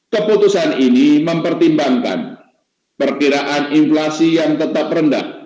keputusan ini mempertimbangkan perkiraan inflasi yang tetap rendah